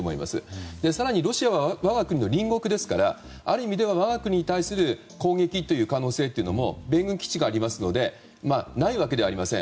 更にロシアは我が国の隣国ですからある意味では我が国に対する攻撃という可能性というのも米軍基地がありますのでないわけではありません。